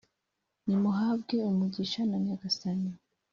nimuhabwe umugisha na nyagasani